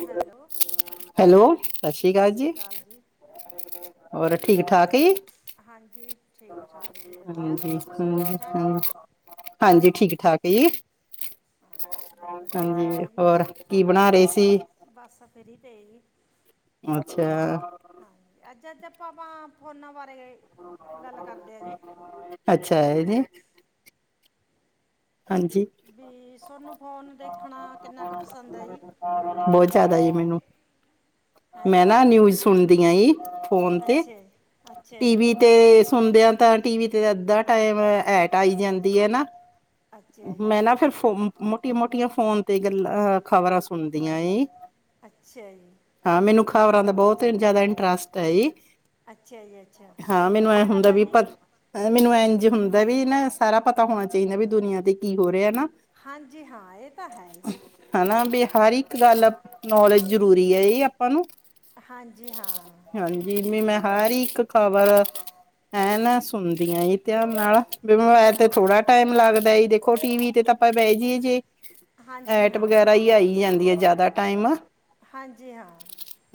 Hello hello, ਸਤਿ ਸ਼੍ਰੀ ਅਕਾਲ ਜੀ। ਹੋਰ ਠੀਕ ਠਾਕ ਹੀ ਹ‌ਜੀ। ਹਾਂਜੀ ਠੀਕ ਠਾਕ ਜੀ ਵਧੀਆ ਤੁਸੀਂ ਠੀਕ ਠਾਕ ਜੀ ਹਾਂਜੀ ਠੀਕ ਠਾਕ। ਕੀ, ਹਾਂ ਚਲੋ ਹਮ ਹੋਰ ਕੀ ਬਣਾ ਰਹੇ ਸੀ। ਬੱਸ ਫਰੀ ਤੇ ਜੀ। ਅੱਛਾ। ਜਦ ਭਾਵਾਂ ਫੋਨਾ ਵਾਰੇ [unintelligible] ਅੱਛਾ ਇਹਦੀ। ਵੀ ਸੋਨੂੰ ਫੋਨ ਦੇਖਣਾ ਕਿੰਨਾ ਕੁ ਪਸੰਦ ਹੈ ਜੀ ਬਹੁਤ ਜਿਆਦਾ ਆ ਜ ਮੈਨੂੰ ਹੈਂ ਮੈਂ ਜੀ ਨਾ ਨਿਊਜ ਸੁਣਦੀ ਆ, ਫੋਨ ਅੱਛਾ ਤੇ ਜੀ ਅੱਛਾ ਜੀ ਟੀਵੀ ਤੇ ਸੁਣਦਿਆਂ ਤਾਂ ਟੀ ਤੇ ਅੱਧਾ ਟਾਈਮ ਐਟ ਆਈ ਜਾਂਦੀ ਆ, ਨਾ ਅੱਛਾ ਮੈਂ ਜੀ ਨਾ ਫਿਰ ਫ਼ੋਨ ਮੋਟੀ ਮੋਟੀਆਂ ਫੋਨ ਤੇ ਗੱਲਾਂ ਖ਼ਬਰਾਂ ਸੁਣਦੀਆਂ ਅੱਛਾ ਜੀ। ਖਬਰਾਂ ਦਾ ਬਹੁਤ ਹੀ ਜ਼ਿਆਦਾ ਇੰਟਰਸਟ ਆਈ ਜੀ। ਅੱਛਾ ਜੀ ਅੱਛਾ ਹਾਂ ਚਲੋ ਮੈਨੂੰ ਐ ਵਧੀਆ ਗੱਲ ਹੁੰਦਾ ਆ ਵੀ ਜੀ ਪਰ ਮੈਨੂੰ ਇੰਝ ਹੁੰਦਾ ਵੀ ਨਾ ਸਾਰਾ ਪਤਾ ਹੋਣਾ ਚਾਹੀਦਾ ਵੀ ਦੁਨੀਆਂ ਤੇ ਕੀ ਹੋ ਰਿਹਾ ਨਾ ਹਾਂਜੀ ਹਾਂ ਇਹ ਤਾਂ ਹੈ ਜੀ ਹਨਾ ਵੀ ਹਰ ਇੱਕ ਗੱਲ ਨੌਲੇਜ ਜ਼ਰੂਰੀ ਹੈ ਇਹ ਆਪਾਂ ਨੂੰ ਹਾਂਜੀ ਹਾਂ ਹਾਂਜੀ ਵੀ ਮੈਂ ਹਰ ਇੱਕ ਖਬਰ ਐ ਨਾ ਸੁਣਦੀਆਂ ਧਿਆਨ ਨਾਲ ਬਿਮਾਰ ਤੇ ਚਲੋ ਥੋੜਾ ਟਾਈਮ ਲੱਗਦਾ ਦੇਖੋ ਟੀ ਵੀ ਤੇ ਤਾਂ ਆਪਾਂ ਬਹਿ ਜਾਈਏ ਜੇ ਹਾਂਜੀ ਐਟ ਹਾਂ ਵਗੈਰਾ ਹੀ ਆਈ ਜਾਂਦੀ ਹੈ ਜ਼ਿਆਦਾ ਟਾਈਮ ਹਾਂਜੀ ਹਾਂ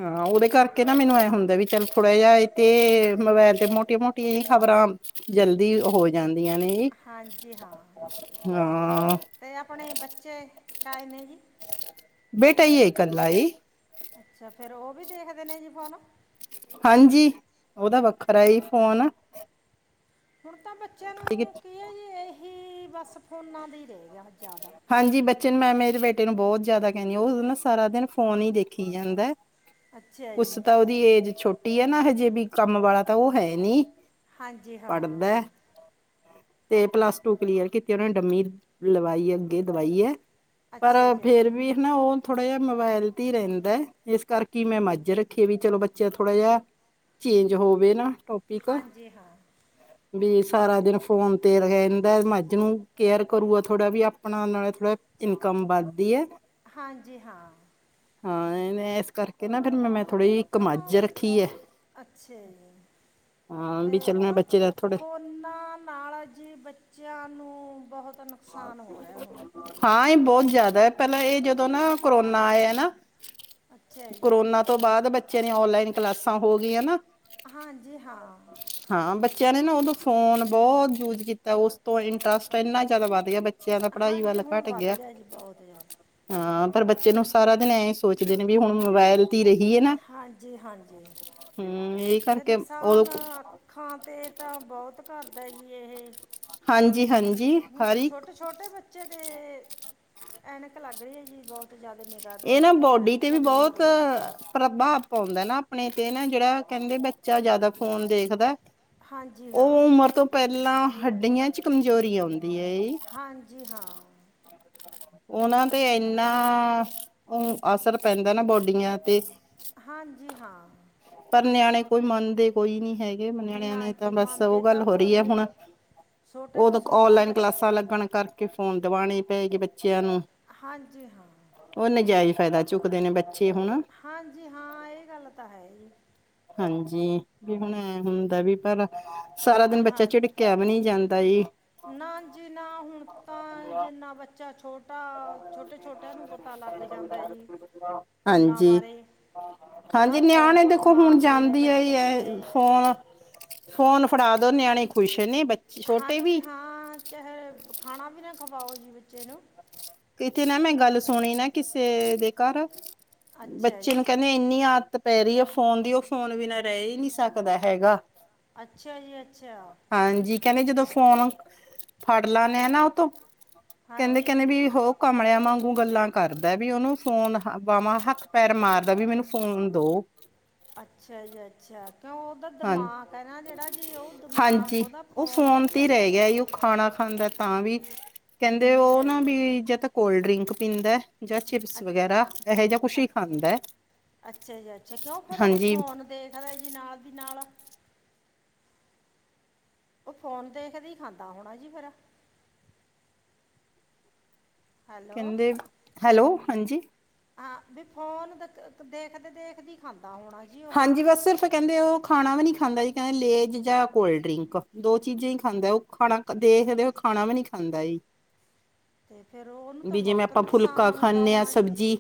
ਹਾਂ ਉਹਦੇ ਕਰਕੇ ਨਾ ਮੈਨੂੰ ਇਹ ਹੁੰਦਾ ਵੀ ਚੱਲ ਥੋੜਾ ਜਿਹਾ ਇਥ ਮੋਬਾਇਲ ਤੇ ਮੋਟੀਆਂ ਮੋਟੀਆਂ ਜਿਹੀ ਖ਼ਬਰਾਂ ਜਲ ਲਦੀ ਹੋ ਜਾਂਦੀਆਂ ਨੇ ਹਾਂਜੀ ਹਾਂ ਜ ਤੇ ਆਪਣੇ ਬੱਚੇ ਕਾਏ ਨੇ ਜੀ ਬੇਟਾ ਹੀ ਆਏ ਕਲਾਈ ਅੱਛਾ ਫੇਰ ਉਹ ਵੀ ਦੇਖਦੇ ਨੇ ਜੀ ਫੋਨ ਹਾਂਜੀ ਉਹਦਾ ਵੱਖਰਾ ਫੋਨ ਹੁਣ ਤਾਂ ਬੱਚਿਆਂ ਨੂੰ ਕੀ ਜ ਇਹੀ ਬਸ ਫੋਨਾ ਦਾ ਹੀ ਰਹੇ ਗਿਆ ਜ਼ਿਆਦਾ ਚਨ ਮੈਂ ਮੇਰੇ ਬੇਟੇ ਨੂੰ ਬਹੁਤ ਜਿਆਦਾ ਕਹਿੰਦੀ ਆ ਉਸ ਦਿ ਨਾਲ ਸਾਰਾ ਦਿਨ ਫੋਨ ਹੀ ਦੇਖੀ ਜਾਂਦਾ ਅੱਛਾ ਕੁਛ ਜੀ ਤਾਂ ਉਹਦੀ ਏਜ ਛੋਟੀ ਹੈ ਨਾ ਹਜੇ ਵੀ ਕੰਮ ਵਾਲਾ ਤਾਂ ਉਹ ਹੈ ਨੀ ਹਾਂਜੀ ਪੜ੍ਹਦਾ ਹਾਂ ਤੇ ਪਲੱਸ ਟੂ ਕਲੀਅਰ ਕੀਤੀ ਉਹ ਨੇ ਡੰਮੀ ਲਵਾਈ ਅੱਗੇ ਦਵਾਈ ਹੈ ਪਰ ਅੱਛਾ ਜੀ ਫੇਰ ਅੱਛਾ ਵੀ ਹਨਾ ਉਹ ਥੋੜ੍ਹਾ ਜਿਹਾ ਮੋਬਾਇਲ ਤੇ ਹੀ ਰਹਿੰਦਾ ਹੈ ਇਸ ਕਰਕੇ ਮੈਂ ਮੱਝ ਰੱਖੀ ਵੀ ਚਲੋ ਬੱਚਾ ਥੋੜ੍ਹਾ ਜਿਹਾ ਚੇਂਜ ਹੋਵੇ ਨਾ ਟੋਪਿਕ ਹਾਂਜੀ ਹਾਂ ਵੀ ਸਾਰਾ ਦਿਨ ਫੋਨ ਤੇ ਰ ਇਹਦਾ ਮੱਝ ਨੂੰ ਕੇਅਰ ਕਰੂਗਾ ਥੋੜ੍ਹਾ ਵੀ ਆਪਣਾ ਨਾਲੇ ਥੋੜਾ ਇਨਕਮ ਵੱਧਦੀ ਹੈ ਹਾਂਜੀ ਹਾਂ ਹਾਂ ਇਹ ਇਸ ਕਰਕੇ ਨਾ ਫੇਰ ਮੈਂ ਮੈਂ ਥੋੜ੍ਹੀ ਜਿਹੀ ਇੱਕ ਕਿਉਂ ਮੱਝ ਰੱਖੀ ਹੈ ਅੱਛਾ ਜੀ ਹਾਂ ਵੀ ਤੇ ਚੱਲ ਮੈਂ ਕਿਉਂ ਬੱਚੇ ਦਾ ਥੋੜੇ ਫੋਨਾਂ ਨਾਲ ਜੀ ਬੱਚਿਆਂ ਨੂੰ ਬਹੁਤ ਨੁ ਹਾਂ ਇਹ ਬਹੁਤ ਜ਼ਿਆਦਾ ਹੈ ਪਹਿਲਾਂ ਇਹ ਜਦੋਂ ਨਾ ਕਰੋਨਾ ਆਇ ਨਾ ਅੱਛਾ ਜੀ ਕਰੋਨਾ ਤੋਂ ਬਾਅਦ ਬੱਚਿਆਂ ਦੀ ਓਨਲਾਈਨ ਕਲਾਸਾਂ ਹੋ ਗਈਆਂ ਨਾ ਹਾਂਜੀ ਹਾਂ ਹਾਂ ਬੱਚਿਆਂ ਨੇ ਨਾ ਉਦੋਂ ਫੋਨ ਬਹੁਤ ਯੂਜ ਕੀਤਾ ਉਸ ਤੋਂ ਇੰਟਰਸਟ ਇੰਨਾ ਜ਼ਿਆਦਾ ਵੱਧ ਗਿਆ ਬੱਚਾ ਬੱਚਿਆਂ ਦਾ ਪੜ੍ਹਾਈ ਹਾਂਜੀ ਵੱਲ ਹੁਣ ਘੱਟ ਵੱਧ ਗਿਆ ਜੀ ਬਹੁਤ ਜ਼ਿਆਦਾ ਹਾਂ ਪਰ ਬੱਚੇ ਨੂੰ ਸਾਰਾ ਦਿਨ ਐਂ ਹੀ ਸੋਚਦੇ ਨੇ ਵੀ ਹੁਣ ਮੋਬਾਇਲ ਰਹੀ ਹੈ ਨਾ ਹਾਂਜੀ ਹਾਂਜੀ ਹਮ ਇਹ ਤੇ ਕਰਕੇ ਉਦੋਂ ਨੁਕਸਾਨ ਅੱਖਾਂ ਤੇ ਤਾਂ ਬਹੁਤ ਕਰਦਾ ਜੀ ਇਹ ਹਾਂਜੀ ਹਾਂਜੀ ਹੁਣ ਹਰ ਇੱਕ ਛੋਟੇ ਛੋਟੇ ਬੱਚੇ ਤੇ ਐਨਕ ਲੱਗ ਰਹੀ ਹੈ ਜੀ ਬਹੁਤ ਜ਼ਿਆਦਾ ਨਿਗਾਹ ਦੀ ਇਹ ਨਾ ਬੋਡੀ ਤੇ ਵੀ ਕਮੀ ਹੋ ਬਹੁਤ ਰਹੀ ਹੈ ਪ੍ਰਭਾਵ ਪਾਉਂਦਾ ਨਾ ਆਪਣੇ ਤੇ ਨਾ ਜਿਹੜਾ ਕਹਿੰਦੇ ਬੱਚਾ ਜਿਆਦਾ ਫੋਨ ਦੇਖਦਾ ਹਾਂਜੀ ਉਹ ਹਾਂ ਉਮਰ ਤੋਂ ਪਹਿਲਾਂ ਹੱਡੀਆਂ ਚ ਕਮਜ਼ੋਰੀ ਆਉਂਦੀ ਹੈ ਇਹ ਹਾਂਜੀ ਹਾਂ ਉਹਨਾਂ ਤੇ ਇਨਾ ਅਸਰ ਪੈਂਦਾ ਨਾ ਬੋਡੀਆਂ ਤੇ ਹਾਂਜੀ ਹਾਂ ਪਰ ਨਿਆਣੇ ਕੋਈ ਮੰਨਦੇ ਕੋਈ ਨੀ ਹੈਗੇ ਨਿਆਣਿਆਂ ਨਾ ਨੇ ਤਾਂ ਜੀ ਬਸ ਉਹ ਮੰਨਦੇ ਗੱਲ ਤਾਂ ਹੋ ਰਹੀ ਕੋਈ ਹੈ ਹੁਣ ਨਹੀਂ ਛੋਟੇ ਉਦ ਤੋਂ ਛੋਟਾ ਔਨਲਾਈਨ ਬੱਚ ਕਲਾਸਾਂ ਲੱਗਣ ਕਰਰ ਕਿ ਫੋਨ ਦਵਾਉਣੇ ਪਏਗੀ ਬੱਚਿਆਂ ਨੂੰ ਹਾਂਜੀ ਹਾਂ ਉਹ ਨਾਜਾਇਜ਼ ਫਾਇਦਾ ਚੁੱਕਦੇ ਨੇ ਬ ਹਾਂਜੀ ਹਾਂ ਇਹ ਗੱਲ ਤਾਂ ਹੈ ਹੀ ਹਾਂਜੀ ਵੀ ਹੁਣ ਐ ਹੁੰਦਾ ਵੀ ਪਰ ਸਾਰਾ ਦਿਨ ਬੱਚਾ ਹਾਂ ਝਿੜਕਿਆ ਵੀ ਨਹੀਂ ਜਾਂਦਾ [unintelligible] ਨਾ ਜੀ ਨਾ ਹੁਣ ਤਾਂ ਜਿੰਨਾ ਬੱਚਾ ਛੋਟ ਜਾਂਦਾ ਹੈ ਜੀ ਫੋਨਾਂ ਹਾਂਜੀ। ਬਾਰੇ ਹਾਂਜੀ, ਹੱਥ ਨਿਆਣੇ ਉਂਗ- ਦੇਖੋ ਹੁਣ ਮਾਰਦੇ ਨੇ ਜਾਂਦੀ ਈ ਐ ਬੱਚੇ ਫੋਨ ਫੋਨ ਫੜਾ ਦੋ ਨਿਆਣੇ ਖੁਸ਼। ਨੇ ਬੱਚੇ ਛੋਟੇ ਹਾਂਜੀ ਵੀ ਹਾਂ ਚਾਹੇ ਖਾਣਾ ਵੀ ਨਾ ਖਵਾਓ ਜੀ ਬੱਚੇ ਨੂੰ। ਕਿੱਥੇ ਨਾ ਮੈਂ ਗੱਲ ਸੁਣੀ ਨਾ ਕਿਸੇ ਦੇ ਘਰ ਅੱਛਾ ਬੱਚੇ ਜੀ ਨੂੰ ਕਹਿੰਦੇ ਇੰਨੀ ਆਦਤ ਪੈ ਰਹੀ ਹੈ ਫੋਨ ਦੀ ਉਹ ਫੋਨ ਬਿਨਾਂ ਰਹਿ ਹੀ ਨਹੀਂੀ ਸਕਦਾ ਹੈਗਾ। ਅੱਛਾ ਜੀ ਅੱਛਾ। ਹਾਂਜੀ ਕਹਿੰਦੇ ਜਦੋਂ ਫੋਨ ਫੜ ਲਾਦੇੇ ਆ ਨਾ ਉਹ ਤੋਂੋਂ ਕਹਿੰਦੇ ਹਾਂਜੀ ਕਹਿੰਦੇ ਵੀ ਮਆ ਵਾਂਗੂ ਗੱਲਾਂ ਕਰਦਾ ਵੀ ਉਹਨੂੰ ਫੋਨ ਵਵਾਂ ਹੱਥ ਪੈਰ ਮਾਰਦਾ ਵੀ ਮੈਨੂੰ ਫੋਨ ਦੋ। ਅੱਛਾ ਜ ਅੱਛਾ। ਜੋਂ ਉਹਹਦਾ ਹਾਂ ਦਿਮਾਗ ਹੈ ਨਾ ਜਿਹੜਾ ਜੀ ਉਹ ਦਿਮਾਕ ਹਾਂਜੀ ਉਹਓਹਦਾ ਉਹ ਫੋਨ ਚ ਤੇ ਹੀ ਚਲਿਆ ਰਹਿ ਗਾ। ਗਿਆ ਈ। ਉਹ ਖਾਣਾ ਖਾਂਦਾ ਤਾਂ ਵੀ ਕਹਿੰਦੇ ਉਹ ਨਾ ਅੱਛਾ ਵੀ ਜ ਤਾਂ ਕੋਲਡ ਡਰਿੰਕ ਪੀਂਦਾ ਜਾਂ ਚਿਪਸ ਅੱਛ- ਵਗੈਰਾ ਇਹੋ ਜਹਾ ਕੁਛ ਹੀ ਅੱਛ- ਖਾਂਦਾ ਹੈ। ਅੱਛਾ ਜੀ ਅੱਛਾ ਕਿਉਂ ਫੇਿਰ ਉਹ ਫੋਨ ਦੇਖਦਾ ਜੀ ਨਾਲ ਦੀ ਨਾਲ ਉਹ ਫੋਨ ਦੇਖਦੇ ਹੀ ਖਾਂਦਾ ਹੋਣਾ ਜੀ ਫਿਰ। ਹੈਲੋ ਕਹਿੰਦੇ ਹੈਲੋ ਹਾਂਜੀ। ਹਾਂ ਵੀ ਫੋਨ ਦੇਖਦੇ-ਦੇਖਦੀ ਖਾਂਦੇ ਹਾਂਜੀ ਬਸ ਸਿਰਫ ਕਹਿੰਦੇ ਉਹ ਖਾਣਾ ਵੀ ਨਹੀਂੀ ਖਾਂਦ ਇ ਕਹਿੰਦੇ ਲੇਜ ਜਾਂ ਕੋਲਡ ਡਰਿੰਕ ਦੋ ਚੀਜ਼ਾਂ ਹੀ ਖਾਂਦਾ ਉਹ ਖਾਣਾ ਦੇਖਦੇ ਹੋ ਖਾਣਾ ਵੀ ਨੀ ਖਾਂਦਾ ਈ। [unintelligible] ਤੇ ਫੇਿਰ ਉਹਨੂੰ ਤਾਂ ਬਹੁਤ ਫੁਲਕਾ ਨੁਕਸਾਨ ਹੁੰਦਾ ਖਾਂਦੇ ਹਾਂ ਹੋਣਾ ਜੀ। ਸਬਜ਼ੀ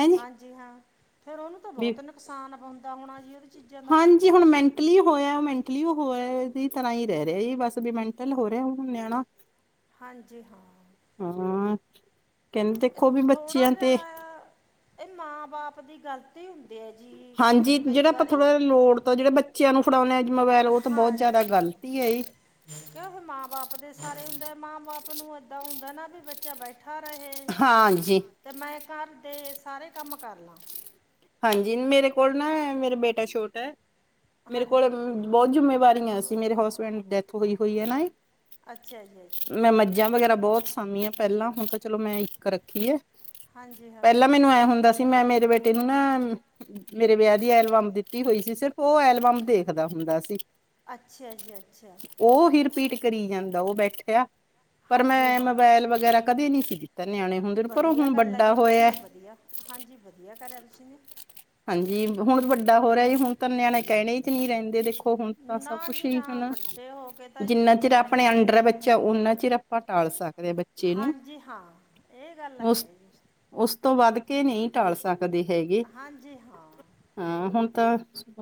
ਹੈਂਜੀ ਹਾਂਜੀ, ਹਾਂ ਫੇਰ ਉਹਨੂੰ ਤਾਂ ਵੀ ਬਹੁਤ ਨੁਕਸਾਨ ਹੋਣਾ ਜੀ ਉਹਦੀ ਚੀਜ਼ਾਂ ਦਾ ਹਾਂਜੀ, ਹੁਣ ਮੈਂਟਲੀ ਹੋਇਆ ਮੈਂਟ ਲੀ ਹੋਆ ਇਹਦੀ ਤਰ੍ਹਾਂ ਈ ਰਹਿ ਰਿਹਾ ਏ ਬਸ ਬੀ ਮੈਂਟਲ ਹੋ ਰਿਆ ਹੁਣ ਨਿਆਣਾ। ਹਾਂਜੀ ਹਾਂ। ਹਾਂ ਕਹਿੰਦੇ ਦੇਖੋ ਵੀ ਥੋੜ੍ਹਾ ਬੱਚਿਆਂ ਤੇ ਜਿਹਾ ਇਹ ਮਾਂ ਬਾਪ ਦੀ ਗਲਤੀ ਹੁੰਦੀ ਹੈ ਜੀ ਹਾਂਜੀ, ਕਈ ਜਿਹੜਾ ਆਪਾਂ ਵਾਰੀ ਥੋੜਾ ਜਿਹਾ ਲੋੜ ਤੋ ਜਿਹੜੇ ਬੱਚਿਆਂ ਨੂੰ ਫੜਾਉਨੇ ਹਾਂਜੀ ਕਿ ਓਹੋ ਮਾ ਬਾਪ ਦੇ ਸਾਰੇ ਹੁੰਦੇ। ਮਾਂ ਬਾਪ ਨੂੰ ਏਦਾਂ ਹੁੰਦਾ ਨਾ ਏ ਵੀ ਬੱਚਾ ਬੈਠਾ ਰਹੇ ਹਾਂਜੀ ਤੇ ਮੈਂ ਘਰ ਦੇ ਸਾਰੇ ਕੰਮ ਕਰ ਲਾਂ। ਹਾਂਜੀ ਮੇਰੇ ਕੋਲ ਨਾ ਮੇਰਾ ਬੇਟਾ ਛੋਟਾ ਐ। ਮੇਰੇ ਕੋਲ ਹਾਂਜੀ ਬਹੁਤ ਜਿੰਮੇਵਾਰੀਆਂ ਸੀ ਮੇਰੇ ਹਸਬੈਂਡ ਦੀ ਡੈਥ ਹੋਈ ਹੋਈ ਐ ਨਾ। ਅੱਛਾ ਜੀ ਅੱਛਾ। ਮੈਂ ਮੱਝਾਂ ਵਗੈਰਾ ਬਹੁਤ ਸਮਿਆ ਪਹਿਲਾਂ ਹੁਣ ਤਾਂ ਚਲੋ ਮੈਂ ਇੱਕ ਰੱਖੀ ਐ। ਹਾਂਜੀ ਹਾਂ ਪਹਿਲਾਂ ਮੈਨੂੰ ਐ ਹੁੰਦਾ ਸੀ ਮੈਂ ਮੇਰੇ ਬੇਟੇ ਨੂੰ ਨਾ ਮੇਰੇ ਵਿਆਹ ਦੀ ਐਲਬਮ ਦਿੱਤੀ ਹੋਈ ਸੀ ਸਿਰਫ ਉਹ ਐਲਬਮ ਦੇਖਦਾ ਹੁੰਦਾ ਸੀ। ਅੱਛਾ ਜੱੀ ਅੱਛਾ। ਉਹ ਹੀ ਰਿਪੀਟ ਕਰੀ ਜਾਂਦਾ ਉਹ ਬੈਠਿਆ। ਪਰ ਹਾਂਜੀ ਮੈਂ ਹਾਂ ਮੋਬਾਇਲ ਵਗੈਰਾ ਕਦੇ ਨਹੀ ਸੀ ਦਿੱਤਾ ਨਿਆਣੇ ਹੁੰਦੇ ਨੂੰ ਪਰ ਉਹ ਵਧੀਆ ਹੁਣ ਗੱਲ ਹੈ ਵੱਡਾ ਜੀ ਤੁਸੀਂ ਹੋਇਆ। ਨੇ ਵਧੀਆ ਹਾਂਜੀ ਵਧੀਆ ਕਰਿਆ ਰਿਸ਼ੀ ਨੇ। ਹਾਂਜੀ, ਹੁਣ ਵੱਡਾ ਹੋ ਰਿਹਾ ਹੁਣ ਤਾਂ ਨਿਆਣੇ ਕਹਿਣੇ ਈ ਚ ਨੀ ਰਹਿੰਦੇ ਦੇਖੋ। ਹੁਣ ਤਾਂ ਨਾ ਸਭ ਕੁਛ ਜੀ ਹੀ ਨਾ ਹਨਾ ਵੱਡੇ ਹੋ ਕੇ ਤਾਂ ਜੀ ਜਿੰਨਾ ਚਿਰ ਕਿੱਥੇ ਗਾਣੇ ਆਪਣੇ ਚ ਅੰਡਰ ਐ ਰਹਿੰਦੇ ਨੇ ਬੱਚਾ ਓਨਾ ਚਿਰ ਆਪਾਂ ਟਾਲ ਸਕਦੇ ਹਾਂ ਬੱਚੇ ਨੂੰ ਹਾਂਜੀ ਹਾਂ ਇਹ ਗੱਲ ਉਸ ਹੈ ਜੀ। ਉਸ ਤੋਂ ਵੱਧ ਕੇ ਨੀ ਟਾਲ ਸਕਦੇ ਹੈਗੇ। ਹਾਂਜੀ ਹਾਂ ਹਾਂ ਹੁਣ ਤਾਂ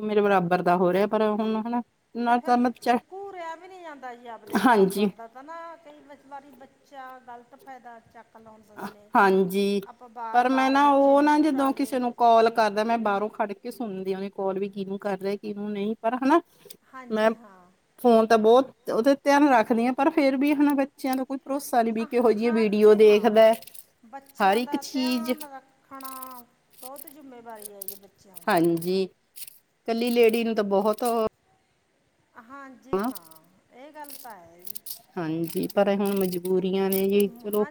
ਮੇਰੇ ਬਰਾਬਰ ਦਾ ਹੋ ਰਿਹਾ ਪਰ ਹੁਣ ਹਨਾ ਤੇ ਨਾ ਫੇਰ ਤਾਂ ਬੱਚਾ ਘੂਰਿਆ ਵੀ ਨਈ ਜਾਂਦਾ ਜੀ ਆਪਦੇ ਹਾਂਜੀ ਬਰਾਬਰ ਦਾ ਤਾਂ ਨਾ ਕਈ ਵਾਰੀ ਬੱਚਾ ਗ਼ਲਤ ਫਾਇਦਾ ਚੱਕ ਲਾਉਂਦੇ ਨੇ ਹਾਂਜੀ, ਆਪਾਂ ਪਰ ਮੈ ਬਾਰ-ਬਾਰ ਨਾ ਬੱਚੇ ਉਹ ਨੂੰ ਨਾ ਜਦੋਂ ਘੂਰਾਂਗੇ ਕਿਸੇ ਨੂੰ ਕਾਲ ਕਰਦਾ ਮੈ ਬਾਹਰੋਂ ਖੜ ਕੇ ਸੁ ਸੁਣਦੀ ਆ ਵੀ ਕੋਲ ਵੀ ਕਿਹਨੂੰ ਕਰ ਰੇਆ, ਕਿਹਨੂੰ ਨਈ ਪਰ ਹਨਾ ਮੈਂ ਹਾਂਜੀ ਹਾਂ ਫੋਨ ਤਾਂ ਬਹੁਤ ਤੇ ਉਹਦਾ ਧਿਆਨ ਰੱਖਦੀ ਆ ਪਰ ਫੇਰ ਵੀ ਹਨਾ ਬੱਚਿਆਂ ਦਾ ਕੋਈ ਭਰੋਸਾ ਨੀ ਬੀ ਅ ਕੇਹੋ ਜਿਹੀ ਵੀਡੀਓ ਹਾਂਜੀ ਦੇਖ ਹਾਂ [unintelligible] ਬੱਚਿਆਂ ਦਾ ਧਿਆਨ ਰੱਖਣਾ ਬਹੁਤ ਜਿੰਮੇਵਾਰੀ ਐ ਜੀ ਬੱਚਿਆਂ ਦੀ ਜੀ ਕੱਲੀ ਲੇਡੀ ਨੂੰ ਤਾਂ ਬਹੁਤ ਹਾਂਜੀ ਹਾਂ ਇਹ ਗੱਲ ਤਾਂ ਐ ਜੀ ਹਾਂਜੀ ਪਰ ਹੁਣ ਮਜਬੂਰੀਆਂ ਨੇ ਜੀ ਚਲੋ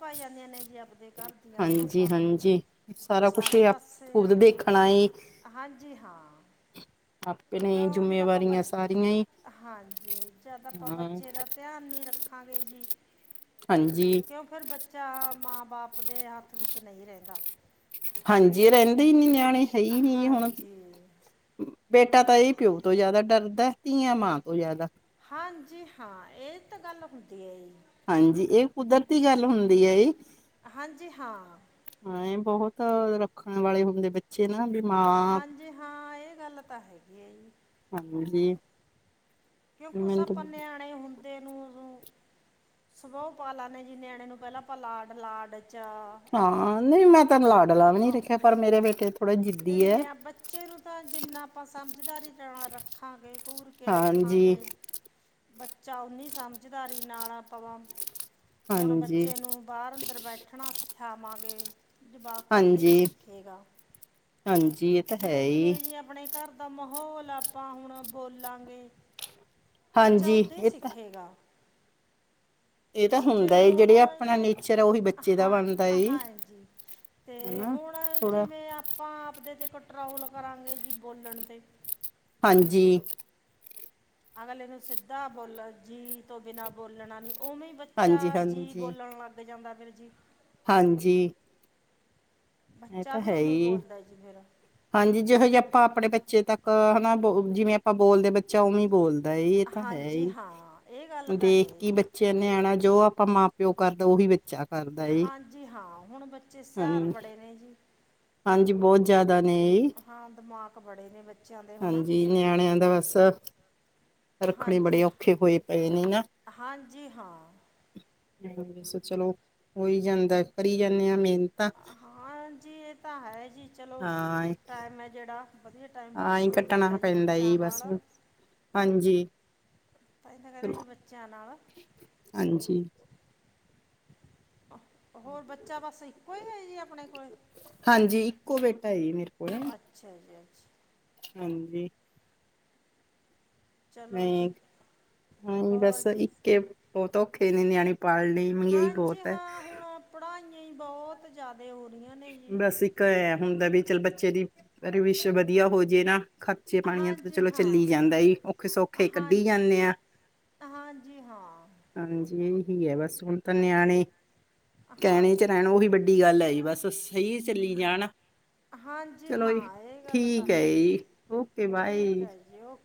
ਭਾਈ ਆਂਦੇ ਜਾਂਦੇ ਨੇ ਜੀ ਆਪ ਹਾਂਜੀ-ਹਾਂਜੀ ਸਾਰਾ ਕੁਛ ਸਾਰੇ ਆਪ ਪਾਸੇ ਖੁਦ ਆ- ਦੇਖਣਾ ਏ ਹਾਂਜੀ ਹਾਂ ਆਪਣੇ ਕਿਉਂ ਜਦ ਆਪਾਂ ਬ ਜਿੰਮੇਵਾਰੀਆਂ ਸਾਰੀਆਂ ਈ, ਹਾਂਜੀ ਹਾਂ [unintelligible] ਵੀਰ ਜੀ ਹਾਂਜੀ ਕਿਉਂ ਫਿਰ ਬੱਚਾ ਮਾਂ ਬਾਪ ਆਪਦੇ ਹੱਥ ਵਿੱਚ ਨਹੀਂ ਰਹਿੰਦਾ ਹਾਂਜੀ ਰਹਿੰਦੇ ਈ ਨੀ ਨਿਆਣੇ ਹੈ ਈ ਨੀ ਹੁਣ ਹਾਂਜੀ ਬੇਟਾ ਤਾਂ ਇਹ ਪਿਓ ਤੋਂ ਜ਼ਿਆਦਾ ਡਰਦਾ ਧੀਆਂ ਮਾਂ ਤੋਂ ਜ਼ਿਆਦਾ ਹਾਂਜੀ ਹਾਂ ਇਹ ਤਾਂ ਗੱਲ ਹੁੰਦੀ ਐ ਜੀ ਹਾਂਜੀ ਇਹ ਕੁਦਰਤੀ ਗੱਲ ਹੁੰਦੀ ਐ ਜੀ ਹਾਂਜੀ ਹਾਂ ਤਾਂ ਰੱਖਣ ਵਾਲੇ ਹੁੰਦੇ ਬੱਚੇ ਨਾ ਮਾਂ ਹਾਂਜੀ ਹਾਂ ਇਹ ਗੱਲ ਤਾਂ ਹੈਗੀ ਆ ਜੀ ਹਾਂਜੀ ਕਿਉਂਕੁ ਮੈਨੂੰ ਤਾਂ ਸਪ ਨਿਆਣੇ ਈ ਹੁੰਦੇ ਦੇ ਨੂੰ ਸਭੋਹ ਪਾ ਲੈਂਦੇ ਜੀ ਨਿਆਣੇ ਨੂੰ ਪਹਿਲਾਂ ਆਪਾਂ ਲਾਡ ਲਾਡ 'ਚ ਅ ਹਾਂ ਨਹੀਂ ਮੈਂ ਤੈ ਲਾਡਲਾਾਂ ਵੀ ਨ ਰੱਖਿਆ ਅਤੇ ਪਰ ਮੇਰੇ ਬੇਟੇ ਥੋੜਾ ਜਿੱਦੀ ਹੈ ਨਿਆ ਬੱਚੇ ਨੂੰ ਤਾਂ ਜਿੰਨਾ ਆਪਾਂ ਸਮਝਦਾਰੀ ਨਾਲ ਰੱਖਾਂਗੇ ਘੂਰ ਕੇ ਰੱਖ ਹਾਂਜੀ ਬੱਚਾ ਓਨੀ ਸਮਝਦਾਰੀ ਨਾਲ ਪਵਾਂ ਹੁਣ ਹਾਂਜੀ ਬੱਚੇ ਨੂੰ ਬਾਹਰ ਅੰਦਰ ਬੈਠਣਾ ਸਿਖਿਆਵਾਂਗੇ ਜਵਾਕ ਉਦਾਂ ਹੀ ਹਾਂਜੀ ਸਿੱਖੇਗਾ ਹਾਂਜੀ ਇਹ ਤਾਂ ਹੈ ਜਿਵੇਂ ਹੀ ਜਿਵੇਂ ਜੀ ਆਪਣੇ ਘਰ ਦਾ ਮਾਹੌਲ ਆਪਾਂ ਹੁਣ ਬੋਲਾਂਗੇ ਬੱਚਾ ਹਾਂਜੀ ਓਦਾਂ ਹੀ ਇਹ ਤਾਂ ਸਿੱਖੇਗਾ ਇਹ ਤਾਂ ਜੇ ਹੁੰਦਾ ਏ ਹੁਣ ਜਿਹੜੇ ਆਪਣਾ ਇਹ ਨੇਚਰ ਆ ਉਹੀ ਬੱਚੇ ਦਾ ਹਾਂ ਬਣਦਾ ਏ ਹਾਂਜੀ ਅਤੇ ਹਨਾ ਹੁਣ ਥੋੜਾ ਜਿਵੇਂ ਆਪਾਂ ਆਪਦੇ 'ਤੇ ਕਟਰੈਵਲ ਕਰਾਂਗੇ ਜੀ ਬੋਲਣ 'ਤੇ ਹਾਂਜੀ ਅਗਲ ਇਹਨੂੰ ਸਿੱਧਾ ਬੋਲਣ ਜੀ ਤੋਂ ਬਿਨਾਂ ਬੋਲਣਾ ਨੀ ਉਵੇਂ ਬੱਚਾ ਹਾਂਜੀ ਜੀ ਹਾਂਜੀ ਬੋਲਣ ਲੱਗ ਜਾਂਦਾ ਫਿਰ ਜੀ ਹਾਂਜੀ ਇਹ ਬੱਚਾ ਤਾਂ ਵੀ ਹੈ ਉਵੇਂ ਹੀ ਬੋਲਦਾ ਜੀ ਫਿਰ ਹਾਂਜੀ ਜਿੋ ਜਿਹੇ ਆਪਾਂ ਆਪਣੇ ਬੱਚੇ ਤੱਕ ਹਨਾ ਬ ਜਿਵੇਂ ਆਪਾਂ ਬੋਲਦੇ ਬੱਚਾ ਉਵੇਂ ਬੋਲਦੇ ਇਹ ਤਾਂ ਹੈ ਹਾਂਜੀ ਹੀ ਹਾਂ ਇਹ ਗੱਲ ਤਾਂ ਹੈ ਦੇਖ ਕੇ ਜੀ ਬੱਚਿਆਂ ਨਿਆਣਾ ਜੋ ਆਪਾਂ ਮਾਂ ਪਿਓ ਕਰਦਾ ਉਹੀ ਵਿੱਚ ਹਾਂਜੀ ਹਾਂ ਹੁਣ ਬੱਚੇ ਸਿਆਰ ਹਾਂਜੀ ਬੜੇ ਨੇ ਜੀ ਹਾਂਜੀ ਬਹੁਤ ਜਿਆਦਾ ਨੇ ਹਾਂ ਦਿਮਾਗ ਬੜੇ ਨੇ ਬੱਚੇ ਹਾਂਜੀ ਨਿਆਣਿਆਂ ਦਾ ਬਸ ਰੱਖਣੇ ਬੜੇ ਹਾਂਜੀ ਔਖੇ ਹੋਏ ਪਏ ਨੇ ਨਾ ਹਾਂਜੀ ਹਾਂ ਬਸ ਚਲੋ ਹੋਈ ਜਾਂਦਾ ਕਰੀ ਜਾਂਦੇ ਆਾਂ ਮਿਹਨਤ ਜੀ ਇਹ ਤਾਂ ਹੈ ਜੀ ਚਲੋ ਟਾਈਮ ਹੈ ਜਿਹੜਾ ਵਧੀਆ ਟਾਈਮ ਹਾਂ ਪਾਸ ਹੀ ਹੋ ਕੱਟਣਾ ਜਾਂਦਾ ਜੀ ਪੈਂਦਾ ਬੱਚਿਆਂ ਈ ਬਸ ਨਾਲ ਹਾਂਜੀ ਤਾਂ ਇਹਦਾ ਕਹਿਦੇ ਜੀ ਚਲੋ ਬੱਚਿਆਂ ਨਾਲ ਹਾਂਜੀ ਹੋਰ ਬੱਚਾ ਬਸ ਇੱਕੋ ਹੈ ਜੀ ਆਪਣੇ ਕੋਲ ਹਾਂਜੀ ਇੱਕੋ ਬੇਟਾ ਮੇਰੇ ਕੋਲ ਅੱਛਾ ਜੀ ਅੱਛਾ ਹਾਂਜੀ ਚਲੋ ਨਹੀਂ ਜੀ ਨਹੀਂ ਹੋਰ ਬਸ ਜੀ ਇੱਕੇ ਬਹੁਤ ਔਖੇ ਨੇ ਨਿਆਣੇ ਪਾਲ ਲਈ ਮਹਿੰਗਾਈ ਬਹੁਤ ਹੈ ਨਹੀਂ ਬਹੁਤ ਜ਼ਿਆਦਾ ਹੋ ਰਹੀਆਂ ਨੇ ਜੀ ਬਸ ਇੱਕ ਐ ਹੁੰਦਾ ਵੀ ਚੱਲ ਬੱਚੇ ਦੀ ਰਵਸ਼ ਵਧੀਆ ਹੋਜੇ ਨਾ ਖਰਚੇ ਪਾਣੀੀਆਂ ਤੇ ਤਾਂ ਹਾਂਜੀ ਚਲੋ ਚੱਲੀ ਹਾਂ ਜਾਂਦਾ ਔਖੇ ਸੌਖੇ ਕੱਢੀ ਹਾਂਜੀ ਜਾਂਦੇ ਆ ਹਾਂਜੀ ਹਾਂ ਹੀ ਹੈ ਬਸ ਹੁਣ ਤਾਂ ਨਿਆਣੇ ਕਹਿਣੇ ਚ ਹਾਂਜੀ ਰਹਿਣਾ ਉਹੀ ਵੱਡੀ ਗੱਲ ਹੈ ਜੀ ਬਸ ਸਹੀ ਚੱਲ ਜਾਣਾ ਹਾਂਜੀ ਹਾਂ ਇਹ ਗੱਲ ਤਾਂ ਹੈ ਜੀ ਓਕੇ ਬਾਏ ਠੀਕ ਹੈ ਜੀ ਓਕੇ